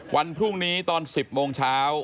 วันพรุ่งนี้ตอน๑๐โมงเช้า